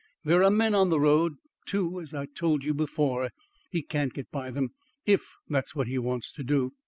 "There are men on the road; two, as I told you before. He can't get by them IF that's what he wants to do."